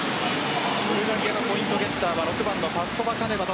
ブルガリアのポイントゲッターは６番のパスコバカネバ。